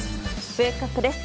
ウェークアップです。